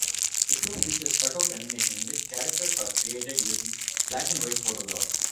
The show features cutout animation, in which characters are created using black-and-white photographs.